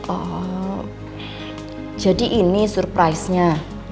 oh jadi ini surprise nya